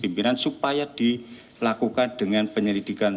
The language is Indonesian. kemudian kemudian kita jadikan penyelidikan